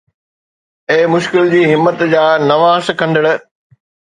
اي مشڪل جي همت جا نوان سکندڙ